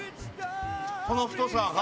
この太さが。